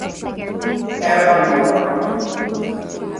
Ar an mbóthar